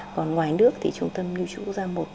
còn ngoài nước thì trung tâm nhu chủ ra một cơ hội